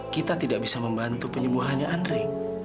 kita tidak bisa membantu penyembuhannya andre